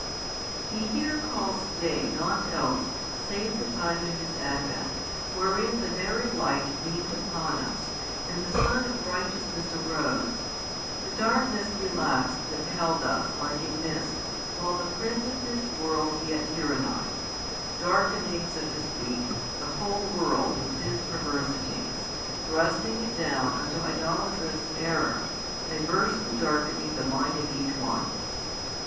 He here calls day nought else save the time of His Advent |679 wherein the Very Light beamed upon us and the Sun of Righteousness arose, the darkness relaxed that held us like a mist while the prince of this world yet tyrannized, darkening (so to speak) the whole world with his perversities, thrusting it down unto idolatrous error, diversely darkening the mind of each one.